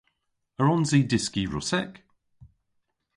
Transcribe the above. A wrons i dyski Russek?